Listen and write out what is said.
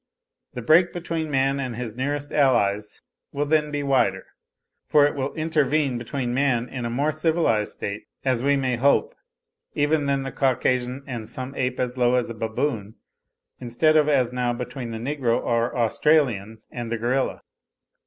The break between man and his nearest allies will then be wider, for it will intervene between man in a more civilised state, as we may hope, even than the Caucasian, and some ape as low as a baboon, instead of as now between the negro or Australian and the gorilla.